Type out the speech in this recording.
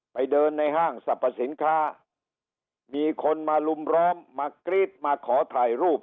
ไปเดินในห้างสรรพสินค้ามีคนมาลุมร้อมมากรี๊ดมาขอถ่ายรูป